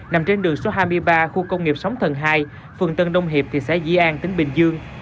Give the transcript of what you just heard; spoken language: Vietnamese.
nằm trên đường số hai mươi ba khu công nghiệp sóng thần hai phường tân đông hiệp thị xã di an tỉnh bình dương